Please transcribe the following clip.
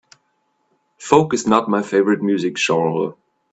Folk is not my favorite music genre.